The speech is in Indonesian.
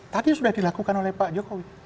tadi sudah dilakukan oleh pak jokowi